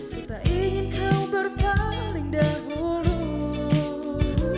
ku tak ingin kau berpaling dahulu